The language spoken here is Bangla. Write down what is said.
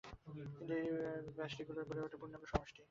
কিন্তু এই ব্যষ্টিগুলি নিয়েই গড়ে ওঠে পূর্ণাঙ্গ সমষ্টি।